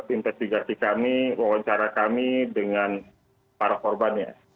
investigasi kami wawancara kami dengan para korbannya